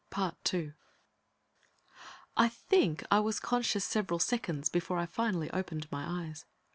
I think I was conscious several seconds before I finally opened my eyes.